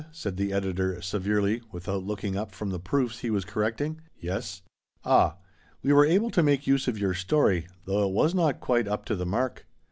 " said the editor severely, without looking up from the proofs he was correcting. "Yes." " Ah ! We were able to make use of your story, though it was not quite up to the mark."